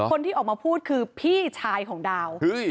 คนที่ออกมาพูดคือพี่ชายของดาว